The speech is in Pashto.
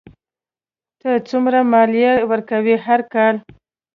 ته څومره مالیه ورکوې هر کال؟